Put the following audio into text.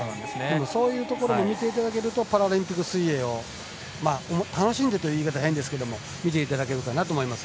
そういうところを見ていただけるとパラリンピック水泳を楽しんでという言い方は変ですけど見ていただけるかなと思います。